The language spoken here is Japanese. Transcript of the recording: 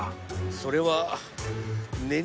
それはねん